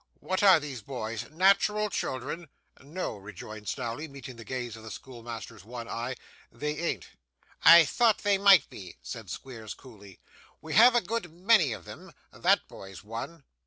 What are these boys; natural children?' 'No,' rejoined Snawley, meeting the gaze of the schoolmaster's one eye. 'They ain't.' 'I thought they might be,' said Squeers, coolly. 'We have a good many of them; that boy's one.